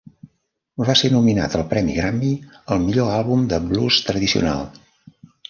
Va ser nominat al premi Grammy al Millor àlbum de blues tradicional.